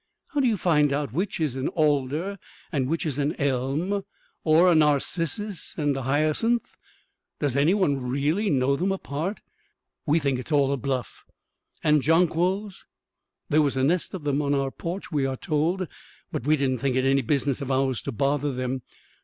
How do you find out which is an alder and what is an elm? Or a narcissus and a hyacinth, does any one really know them apart? We think it's all a bluff. And jonquils. There was a nest of them on our porch, we are told, but we didn't think it any business of ours to bother them.